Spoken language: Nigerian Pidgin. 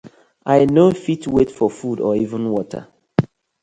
I no fit wait for food or even watta.